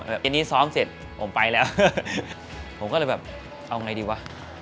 อันนี้ซ้อมเสร็จผมไปแล้วผมก็เลยแบบเอาไงดีวะ